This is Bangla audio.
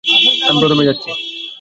আমি প্রথমে যাচ্ছি।